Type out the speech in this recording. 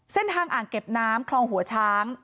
เส้นทางอ่างเก็บน้ำคลองหัวช้าง